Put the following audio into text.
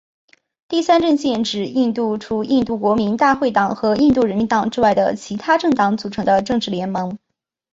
第三阵线指印度除印度国民大会党和印度人民党之外的其它政党组成的政治联盟。